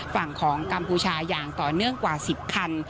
ฝั่งของกัมพูชาอย่างต่อเนื่องกว่า๑๐คัน